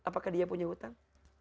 apakah dia punya hutang